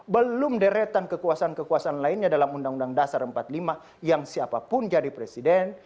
belum deretan kekuasaan kekuasaan lainnya dalam undang undang dasar empat puluh lima yang siapapun jadi presiden